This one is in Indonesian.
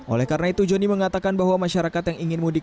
oleh karena itu joni mengatakan bahwa masyarakat yang ingin mudik